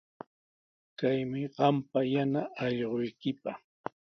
Kaymi qampa yana allquykiqa.